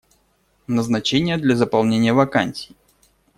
Назначения для заполнения вакансий.